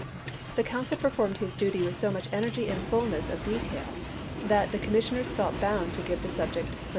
The consul performed his duty with so much energy and fullness of detail that the Com missioners felt bound to give the subject further 54 ABEAHAM LINCOLN Chap.